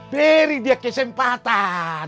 beri dia kesempatan